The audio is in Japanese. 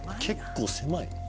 結構狭い。